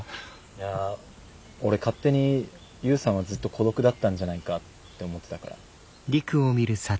いや俺勝手に悠さんはずっと孤独だったんじゃないかって思ってたから。